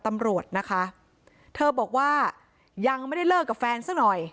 ตำรวจนะคะเธอบอกว่ายังไม่ได้เลิกกับแฟนซะหน่อย